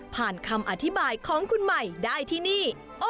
คำอธิบายของคุณใหม่ได้ที่นี่